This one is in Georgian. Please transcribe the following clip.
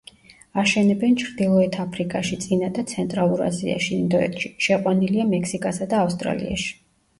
აშენებენ ჩრდილოეთ აფრიკაში, წინა და ცენტრალურ აზიაში, ინდოეთში; შეყვანილია მექსიკასა და ავსტრალიაში.